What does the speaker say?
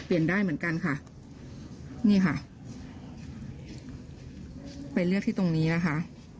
ได้เหมือนกันค่ะนี่ค่ะไปเลือกที่ตรงนี้นะคะ